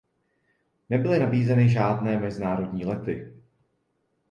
Nebyly nabízeny žádné mezinárodní lety.